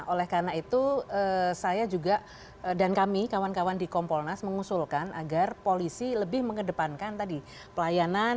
oleh karena itu saya juga dan kami kawan kawan di kompolnas mengusulkan agar polisi lebih mengedepankan tadi pelayanan